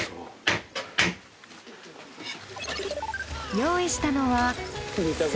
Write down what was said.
用意したのは砂。